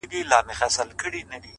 او دده اوښكي لا په شړپ بهيدې؛